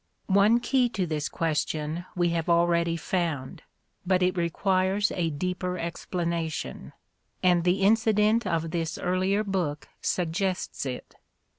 One key to this question we have already found, but it requires a deeper explanation; and the incident of this earlier book suggests it.